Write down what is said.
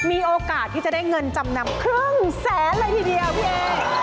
มีโอกาสที่จะได้เงินจำนำครึ่งแสนเลยทีเดียวพี่เอ